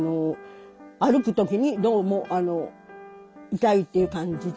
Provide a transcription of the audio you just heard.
歩くときにどうも痛いっていう感じで。